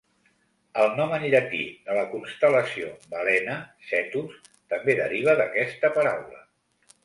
El nom en llatí de la constel·lació Balena (Cetus) també deriva d'aquesta paraula.